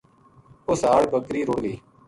اس ہاڑ بکری رُڑ گئی